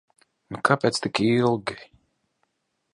Nu kāpēc tik ilgi?